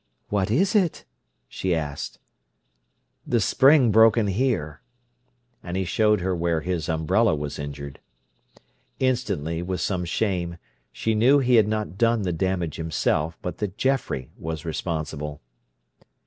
"What is it?" she asked. "The spring broken here;" and he showed her where his umbrella was injured. Instantly, with some shame, she knew he had not done the damage himself, but that Geoffrey was responsible.